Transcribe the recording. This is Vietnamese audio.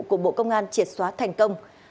của bộ công an triệt xóa thành công